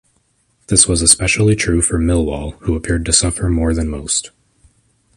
This was especially true for Millwall, who appeared to suffer more than most.